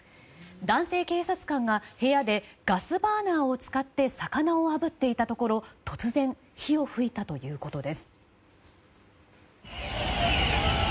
男性警察官が部屋でガスバーナーを使って魚をあぶっていたところ突然火を噴いたということです。